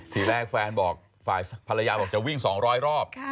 ที่แรกแฟนพลาย้าบอกจะวิ่ง๒๐๐รอบ